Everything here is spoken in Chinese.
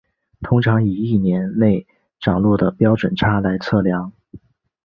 通常以一年内涨落的标准差来测量。